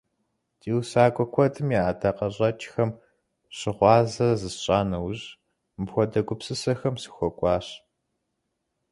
Ди усакӀуэ куэдым я ӀэдакъэщӀэкӀхэм щыгъуазэ зысщӀа нэужь, мыпхуэдэ гупсысэм сыхуэкӀуащ.